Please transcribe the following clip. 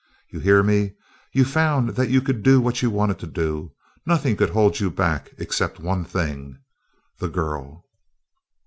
You hear me? You found that you could do what you wanted to do; nothing could hold you back except one thing the girl!"